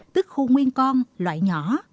tức khô nguyên con loại nhỏ